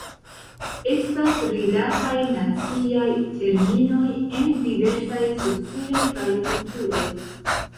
Estas rilataj naciaj terminoj en diversaj socioj kaj kulturoj.